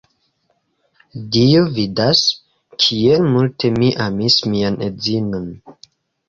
Dio vidas, kiel multe mi amis mian edzinon!